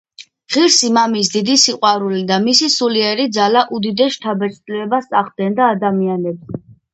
ღირსი მამის დიდი სიყვარული და მისი სულიერი ძალა უდიდეს შთაბეჭდილებას ახდენდა ადამიანებზე.